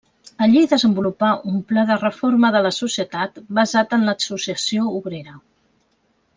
Allí hi desenvolupà un pla de reforma de la societat basat en l'associació obrera.